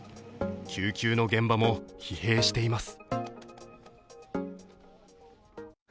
救急の現場も疲弊しています。